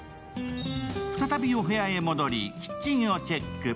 再び、お部屋へ戻り、キッチンをチェック。